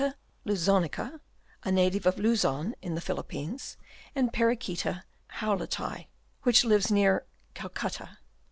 Luzonica, a native of Luzon in the Philippines ; and P. Houlleti, which lives near Calcutta.